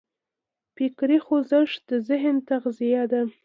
فکري خوځښت د ذهن تغذیه ده.